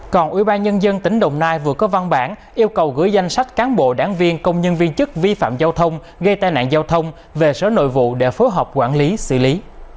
còn ủy ban nhân dân tỉnh đồng nai vừa có văn bản yêu cầu gửi danh sách cán bộ đáng viên công nhân viên chức vi phạm giao thông gây tai nạn giao thông về số nội vụ để phối hợp quản lý xử lý